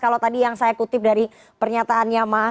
kalau tadi yang saya kutip dari pernyataannya mas